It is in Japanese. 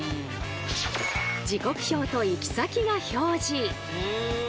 時刻表と行き先が表示。